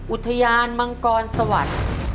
อุทยานมังกรสวรรค์